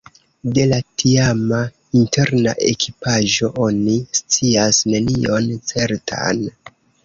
De la tiama interna ekipaĵo oni scias nenion certan.